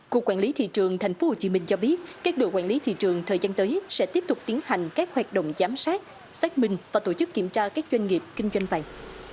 cục quản lý thị trường tp hcm cho biết các đội quản lý thị trường thời gian tới sẽ tiếp tục tiến hành các hoạt động giám sát xác minh và tổ chức kiểm tra các doanh nghiệp kinh doanh vàng